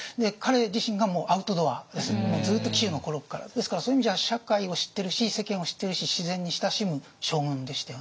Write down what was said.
ですからそういう意味じゃ社会を知ってるし世間を知ってるし自然に親しむ将軍でしたよね。